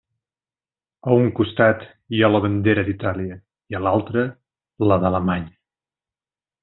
A un costat hi ha la bandera d'Itàlia i a l'altre, la d’Alemanya.